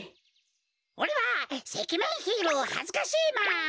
おれはせきめんヒーローはずかしいマン！